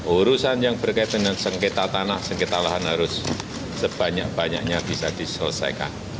urusan yang berkaitan dengan sengketa tanah sengketa lahan harus sebanyak banyaknya bisa diselesaikan